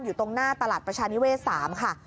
อยู่ตรงหน้าตลาดประชานิเวศ๓ค่ะ